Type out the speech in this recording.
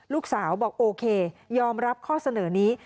ลูกสาวบอกโอเคยอมรับข้อเสนอนี้